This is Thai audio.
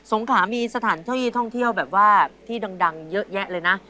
งขามีสถานที่ท่องเที่ยวแบบว่าที่ดังเยอะแยะเลยนะ